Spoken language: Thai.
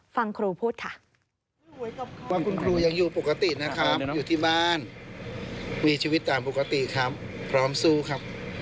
ฟังครูพูดค่ะ